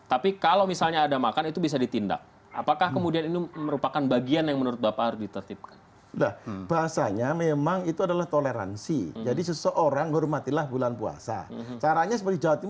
apa nama stiker untuk non muslim